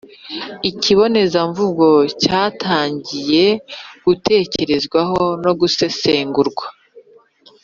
Ikibonezamvugo cyatangiye gutekerezwaho no gusesengurwa